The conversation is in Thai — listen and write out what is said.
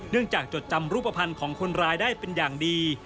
จากจดจำรูปภัณฑ์ของคนร้ายได้เป็นอย่างดี